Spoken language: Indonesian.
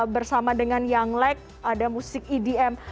bersama dengan yanglek ada musik edm